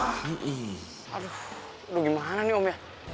aduh gimana nih om ya